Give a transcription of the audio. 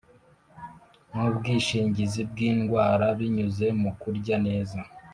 N ubwishingizi bw indwara binyuze mu kurya neza